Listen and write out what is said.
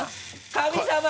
神様！